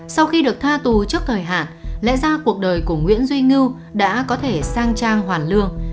sau khi được tha tù trước thời hạn lẽ ra cuộc đời của nguyễn duy ngưu đã có thể sang trang hoàn lương